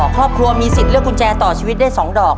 ครอบครัวมีสิทธิ์เลือกกุญแจต่อชีวิตได้๒ดอก